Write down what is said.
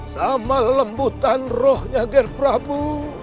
sama lembutan rohnya ger prabu